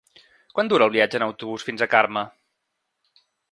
Quant dura el viatge en autobús fins a Carme?